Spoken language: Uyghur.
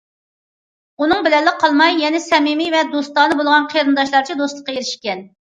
ئۇنىڭ بىلەنلا قالماي، يەنە سەمىمىي ۋە دوستانە بولغان قېرىنداشلارچە دوستلۇققا ئېرىشكەن.